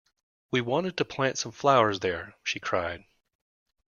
‘We wanted to plant some flowers there,’ she cried.